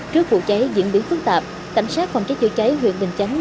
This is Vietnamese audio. trước vụ cháy diễn biến phức tạp cảnh sát phòng cháy chữa cháy huyện bình chánh